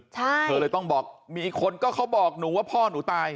ใช่เธอเลยต้องบอกมีคนก็เขาบอกหนูว่าพ่อหนูตาย